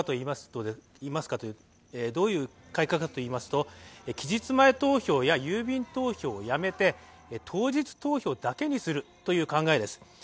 どういう改革かといいますと、期日前投票や郵便投票をやめて当日投票だけにするという考えです。